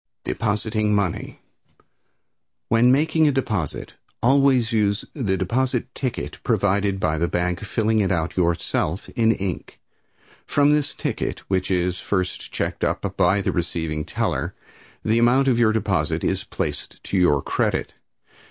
Depositing Money. When making a deposit, always use the deposit ticket provided by the bank, filling it out yourself in ink. From this ticket, which is first checked up by the receiving teller, the amount of your deposit is placed to your credit.